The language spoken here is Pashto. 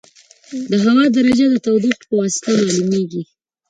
د هوا درجه د تودوخې په واسطه معلومېږي.